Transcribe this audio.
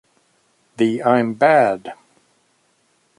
The I'm bad!